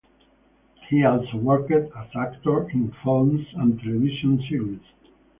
He also worked as actor in films and television series.